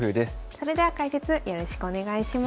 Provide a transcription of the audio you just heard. それでは解説よろしくお願いします。